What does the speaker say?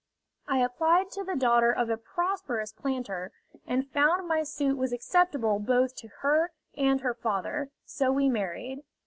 I applied to the daughter of a prosperous planter, and found my suit was acceptable both to her and her father, so we married.